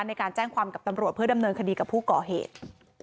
ในการแจ้งความกับตำรวจเพื่อดำเนินคดีกับผู้ก่อเหตุ